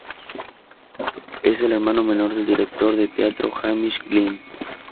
Es el hermano menor del director de teatro Hamish Glen.